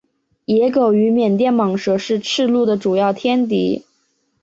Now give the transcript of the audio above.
野狗与缅甸蟒蛇是赤麂的主要天敌。